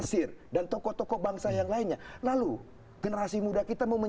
seingat saya tidak ada tuduhan